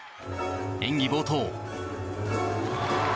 演技冒頭。